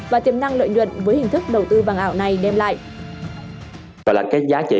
và tiềm năng lợi nhuận với hình thức đầu tư bằng ảo này đem lại